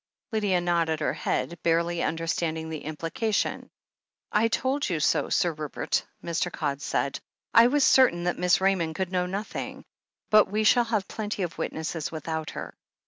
Lydia nodded her head, barely imderstanding the implication. "I told you so. Sir Rupert," Mr. Codd said. "I was certain that Miss Raymond could know nothing. But we shall have plenty of witnesses without her."